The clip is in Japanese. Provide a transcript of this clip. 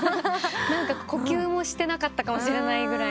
何か呼吸もしてなかったかもしれないぐらいの。